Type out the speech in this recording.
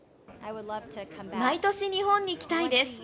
毎年日本に来たいです。